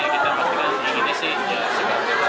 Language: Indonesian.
sebenarnya tidak mengharapkan